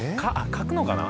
書くのかな？